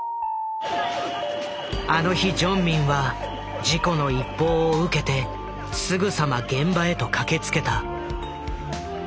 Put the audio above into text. あの日ジョンミンは事故の一報を受けてすぐさま現場へと駆けつけた。